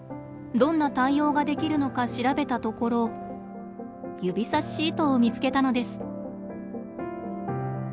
どんな対応ができるのか調べたところ指さしシートを見つけたのです。